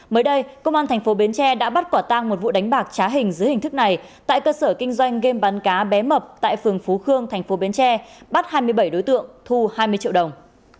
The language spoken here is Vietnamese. mới đây công an thành phố bến tre đã bắt quả tang một vụ đánh bạc trá hình dưới hình thức này tại cơ sở kinh doanh game bán cá bé mập tại phường phú khương thành phố bến tre bắt hai mươi bảy đối tượng thu hai mươi triệu đồng